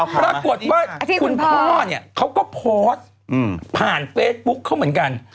ปรากฏว่าคุณพ่อเนี่ยเขาก็โพสต์ผ่านเฟซบุ๊คเขาเหมือนกัน